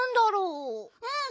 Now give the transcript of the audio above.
うん。